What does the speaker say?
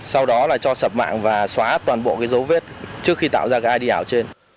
sau đó là cho sập mạng và xóa toàn bộ dấu vết trước khi tạo ra id ảo trên